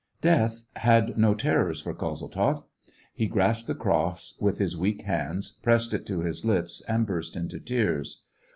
Death had no terrors for Kozeltzoff. He grasped the cross with his weak hands, pressed it to his lips, and burst into tears.